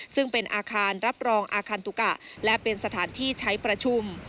ซึ่งเป็นอาคารรับรองอาคารตุกะและเป็นสถานที่ใช้ประชุม